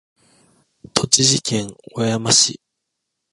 栃木県小山市